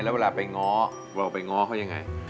แล้วเวลาไปง้อเราไปง้อเขายังไง